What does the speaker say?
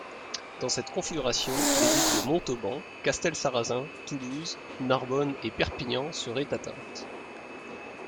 Dans cette configuration, les villes de Montauban, Castelsarrasin, Toulouse, Narbonne et Perpignan seraient atteintes.